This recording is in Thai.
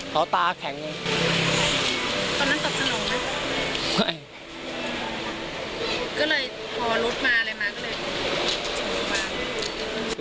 เขาตาแข็งอยู่